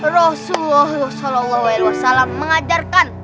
rasulullah s a w mengajarkan